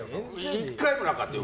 １回もなかったよ。